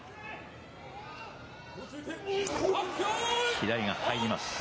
左が入ります。